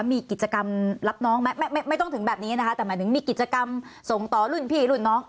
มีกิจกรรมรับน้องไหมไม่ต้องถึงแบบนี้นะคะแต่หมายถึงมีกิจกรรมส่งต่อรุ่นพี่รุ่นน้อง